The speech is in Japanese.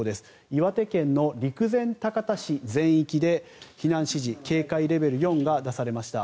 岩手県の陸前高田市全域で避難指示、警戒レベル４が出されました。